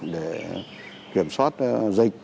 để kiểm soát dịch